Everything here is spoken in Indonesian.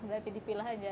berarti dipilih aja